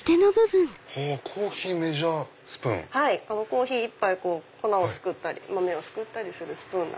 コーヒー１杯粉をすくったり豆をすくったりするスプーン。